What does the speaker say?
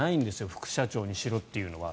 副社長にしろっていうのは。